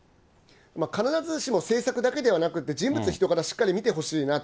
必ずしも政策だけではなくって、人物、人柄、しっかり見てほしいなと。